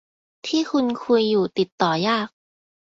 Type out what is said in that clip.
ที่คุณคุยอยู่ติดต่อยาก